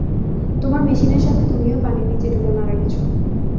তোমার মেশিনের সাথে তুমিও পানির নিচে ডুবে মারা গেছ।